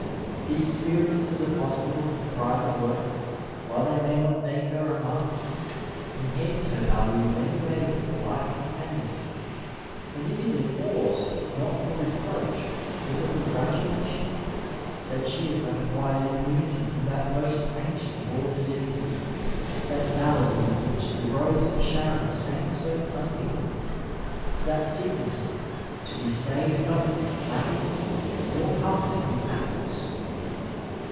The experiences of hospital and private work, while they may not make her a Martha, enhance her value in many ways as a life companion, and it is a cause, not for re proach, but for congratulation, that she has not acquired immunity from that most ancient of all diseases — that malady of which the Rose of Sharon sang so plaintively, that sickness '' to be stayed not with flagons nor comforted with apples."